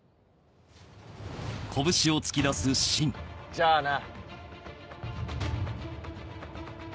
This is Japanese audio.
じゃあな！